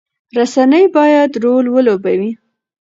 رسنۍ باید رول ولوبوي.